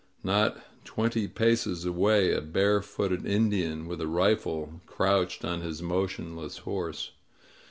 Not twenty paces away a barefooted Indian with a rifle crouched on his motionless horse.